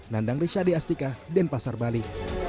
nandang rishadia astika denpasar bali